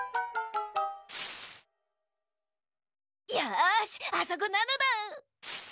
よしあそこなのだ。